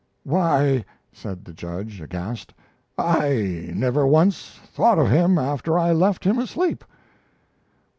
"Why," said the judge, aghast, "I never once thought of him after I left him asleep."